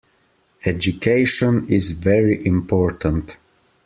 Education is very important.